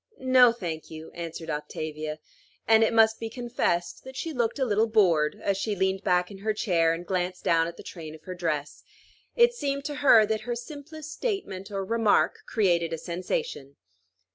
"No, thank you," answered Octavia; and it must be confessed that she looked a little bored, as she leaned back in her chair, and glanced down at the train of her dress. It seemed to her that her simplest statement or remark created a sensation.